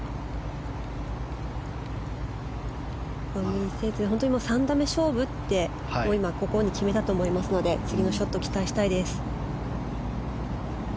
無理せず、３打目勝負と心に決めたと思いますので次のショット期待したいです。